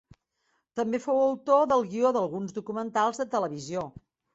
També fou autor del guió d'alguns documentals de televisió.